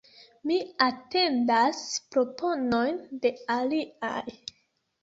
Mi atendas proponojn de aliaj.